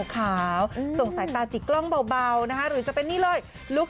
ขาวส่งสายตาจิกกล้องเบานะคะหรือจะเป็นนี่เลยลุค